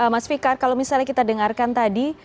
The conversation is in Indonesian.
mas fikar kalau misalnya kita dengarkan tadi